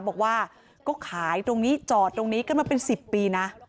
บอกว่าก็ขายตรงนี้จอดตรงนี้กันมาเป็น๑๐ปีนะ